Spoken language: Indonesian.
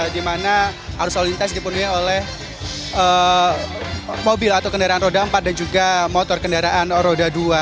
di mana arus lalu lintas dipenuhi oleh mobil atau kendaraan roda empat dan juga motor kendaraan roda dua